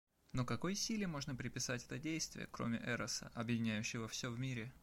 Но какой силе можно приписать это действие, кроме эроса, объединяющего все в мире?